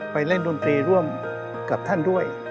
ไปเล่นดนตรีร่วมกับท่านด้วย